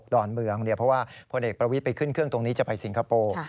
ดอนเมืองเพราะว่าพลเอกประวิทย์ไปขึ้นเครื่องตรงนี้จะไปสิงคโปร์